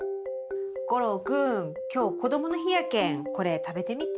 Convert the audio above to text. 五郎君今日こどもの日やけんこれ食べてみて。